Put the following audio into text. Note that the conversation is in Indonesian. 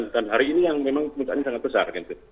dan hari ini yang memang kemungkinan ini sangat besar